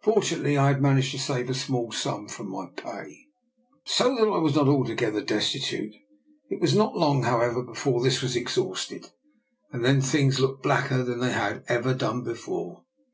Fortunately I had managed to save a small sum from my pay, 24 DR. NIKOLA'S EXPERIMENT. SO that I was not altogether destitute. It was not long, however, before this was exhausted, and then things looked blacker than they had ever done before.